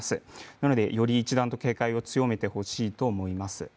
なので、より一段と警戒を強めてほしいと思います。